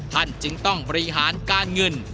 ท่านจึงต้องบริหารการเงิน